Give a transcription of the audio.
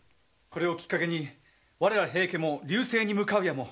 これをきっかけに我ら平家も隆盛に向かうやも。